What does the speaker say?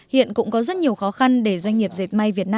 hiện cũng có rất nhiều khó khăn để doanh nghiệp dệt may việt nam